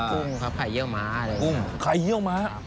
ไข่กุ้งครับไข่เยี่ยวม้าเลยครับ